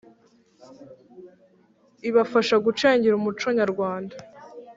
ibafasha gucengera umuco nyarwanda,